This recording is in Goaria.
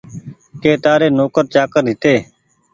ڪي تآري نوڪر چآڪر هيتي